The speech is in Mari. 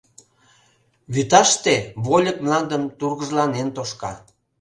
Вӱташте вольык мландым тургыжланен тошка.